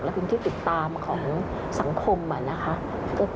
และพื้นที่ติดตามของสังคมนะคะ